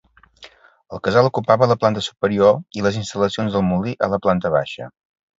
El casal ocupava la planta superior i les instal·lacions del molí a la planta baixa.